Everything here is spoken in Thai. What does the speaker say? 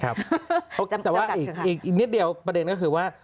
แต่ว่าอีกนิดเดียวประเด็นก็คือว่า